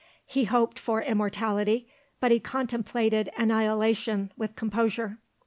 He hoped for immortality, but he contemplated annihilation with composure.